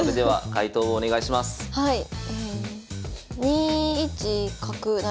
はい。